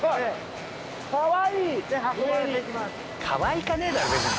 「かわいかねえだろ別に」